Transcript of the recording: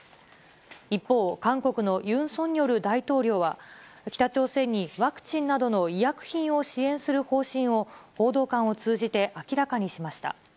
一方、韓国のユン・ソンニョル大統領は、北朝鮮にワクチンなどの医薬品を支援する方針を、報道官を通じて明らかにしました。